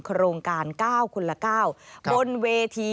โครงการ๙คนละ๙บนเวที